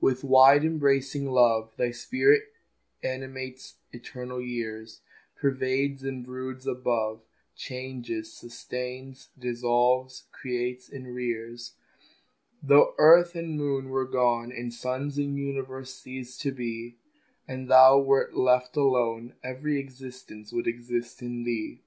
With wide embracing love Thy spirit animates eternal years, Pervades and broods above, Changes, sustains, dissolves, creates, and rears. Though earth and man were gone, And suns and universes ceased to be, And Thou were left alone, Every existence would exist in Thee.